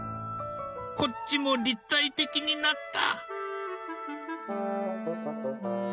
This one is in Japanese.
こっちも立体的になった。